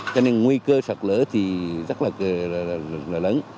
cho nên nguy cơ sạt lở thì rất là lớn